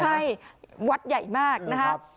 ใช่วัดใหญ่มากนะครับ